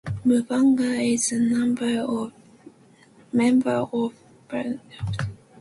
Mubanga is a member of the Pan-African Parliament representing Zambia.